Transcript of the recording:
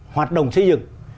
hoạt động xây dựng